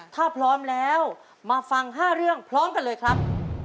ถ้าพร้อมแล้วมาฟัง๕เรื่องพร้อมกันเลยครับ